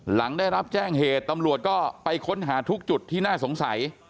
หลังได้รับแจ้งเหตุตำรวจก็ไปค้นหาทุกจุดที่น่าสงสัย